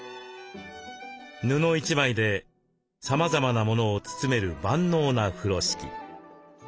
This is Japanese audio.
布一枚でさまざまなものを包める万能な風呂敷。